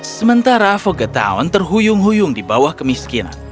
sementara fogetown terhuyung huyung di bawah kemiskinan